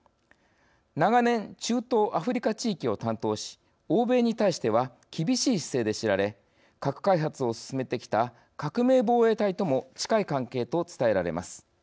長年中東・アフリカ地域を担当し欧米に対しては厳しい姿勢で知られ核開発を進めてきた「革命防衛隊」とも近い関係と伝えられます。